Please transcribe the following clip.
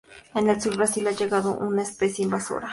En el sur de Brasil, ha llegado a ser una especie invasora.